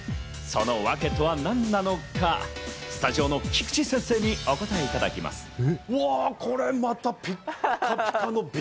そのワケとは何なのか、スタジオの菊地先生にお答えいただきます。